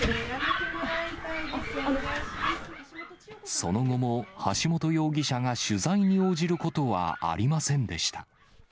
その後も橋本容疑者が取材に応じることはありませんでした。